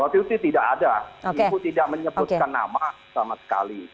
tidak ada itu tidak menyebutkan nama sama sekali